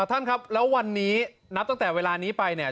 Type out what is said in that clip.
ท่านครับแล้ววันนี้นับตั้งแต่เวลานี้ไปเนี่ย